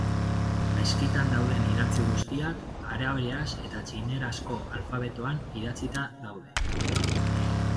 Meskitan dauden idatzi guztiak arabieraz eta txinerazko alfabetoan idatzita daude.